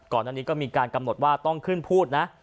ก่อนอันนี้ก็มีการกำหนดว่าต้องขึ้นพูดนะ